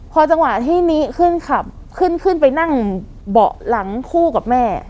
พอจังหวะที่นิขึ้นขับขึ้นขึ้นไปนั่งเบาะหลังคู่กับแม่